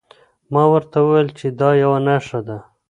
ما ورته وویل چي دا یوه نښه ده.